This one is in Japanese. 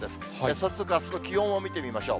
早速、あすの気温を見てみましょう。